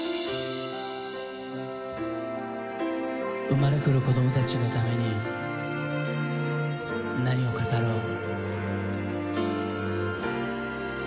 「生まれ来る子供たちのために何を語ろう」